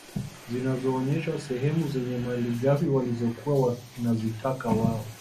Zinazoonyesha sehemu zenye malighafi walizokuwa wanazitaka wao